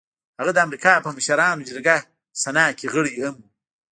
هغه د امريکا په مشرانو جرګه سنا کې غړی هم و.